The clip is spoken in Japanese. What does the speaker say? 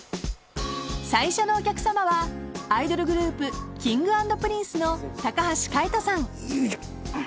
［最初のお客さまはアイドルグループＫｉｎｇ＆Ｐｒｉｎｃｅの橋海人さん］